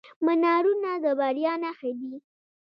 منارونه د بریا نښې دي.